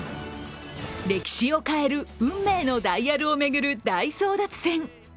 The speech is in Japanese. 歴史を変える運命のダイヤルを巡る大争奪戦。